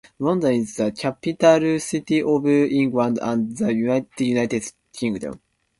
London is the capital city of England and the United Kingdom.